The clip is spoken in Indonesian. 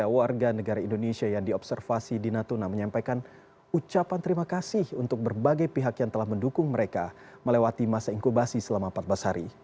warga negara indonesia yang diobservasi di natuna menyampaikan ucapan terima kasih untuk berbagai pihak yang telah mendukung mereka melewati masa inkubasi selama empat belas hari